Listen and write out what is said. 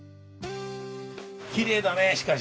きれいだねしかしね。